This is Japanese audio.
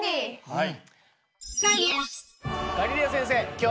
はい。